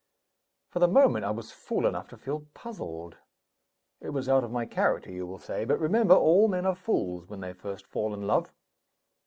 For the moment, I was fool enough to feel puzzled; it was out of my character you will say but remember, all men are fools when they first fall in love.